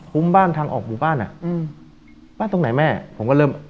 บ้านทางออกหมู่บ้านอ่ะอืมบ้านตรงไหนแม่ผมก็เริ่ม